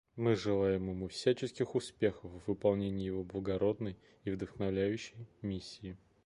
Мы желаем ему всяческих успехов в выполнении его благородной и вдохновляющей миссии.